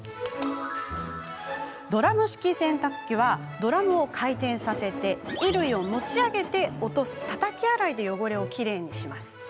ドラム式洗濯機はドラムを回転させ衣類を持ち上げて落とすたたき洗いで汚れをきれいにします。